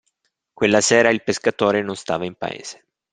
Quella sera il pescatore non stava in paese.